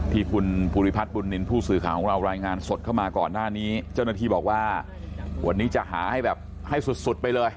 ที่คุณภูริพัฒน์บุญนินทร์ผู้สื่อข่าวของเรารายงานสดเข้ามาก่อนหน้านี้เจ้าหน้าที่บอกว่าวันนี้จะหาให้แบบให้สุดสุดไปเลย